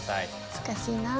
難しいなあ。